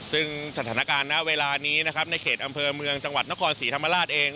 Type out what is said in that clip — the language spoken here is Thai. ซึ่งสถานการณ์ณเวลานี้นะครับในเขตอำเภอเมืองจังหวัดนครศรีธรรมราชเอง